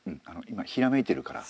今ひらめいてるから。